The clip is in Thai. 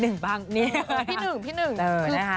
พูดถึงพี่นึงบ้าง